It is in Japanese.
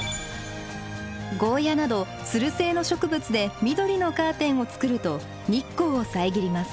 ゴーヤなどつる性の植物で緑のカーテンを作ると日光を遮ります。